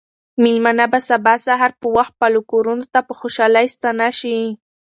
مېلمانه به سبا سهار په وخت خپلو کورونو ته په خوشحالۍ ستانه شي.